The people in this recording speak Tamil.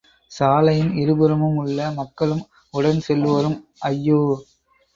சாலையின் இருபுறமும் உள்ள மக்களும், உடன் செல்வோரும், ஐயோ!